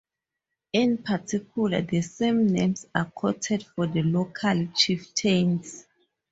In particular, the same names are quoted for the local chieftains.